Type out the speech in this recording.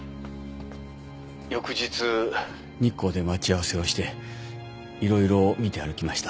翌日日光で待ち合わせをしていろいろ見て歩きました。